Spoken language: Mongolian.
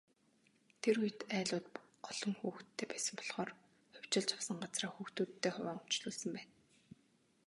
Тэр үед, айлууд олон хүүхэдтэй байсан болохоор хувьчилж авсан газраа хүүхдүүддээ хуваан өмчлүүлсэн байна.